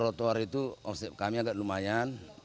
rotoar itu omset kami agak lumayan